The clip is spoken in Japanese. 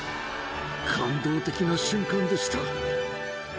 感動的な瞬間でした。